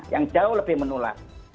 yang jauh lebih menular